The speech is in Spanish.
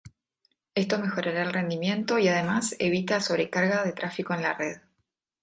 Esto mejora el rendimiento y además evita sobrecarga de tráfico en la red.